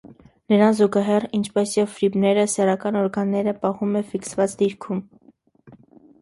Դրան զուգահեռ (ինչպես և բրիֆները) սեռական օրգանները պահում է ֆիքսված դիրքում։